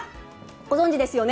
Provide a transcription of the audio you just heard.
ご存じですよね。